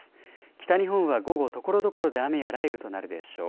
北日本は午後、ところどころで雨や雷雨となるでしょう。